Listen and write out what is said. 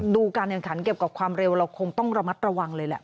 การแข่งขันเกี่ยวกับความเร็วเราคงต้องระมัดระวังเลยแหละ